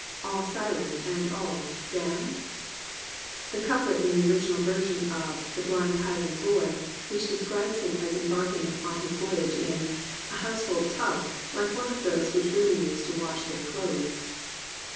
All silent and all — damned ?" the couplet in the original version of The Blind Highland Boy which describes him as embarking on his voyage in "A household tub, like one of those Which women use to wash their clothes."